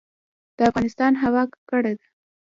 د افغانستان هوا ککړه ده